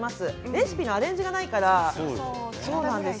レシピのアレンジがないから。